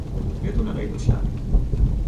بدون قید و شرط